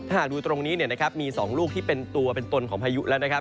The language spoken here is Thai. ถ้าหากดูตรงนี้มี๒ลูกที่เป็นตัวเป็นตนของพายุแล้วนะครับ